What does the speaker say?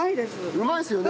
うまいですよね